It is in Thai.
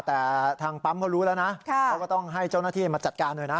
แต่ทางปั๊มเขารู้แล้วนะเขาก็ต้องให้เจ้าหน้าที่มาจัดการหน่อยนะ